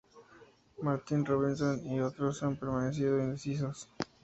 Martin Robinson y otros han permanecido indecisos.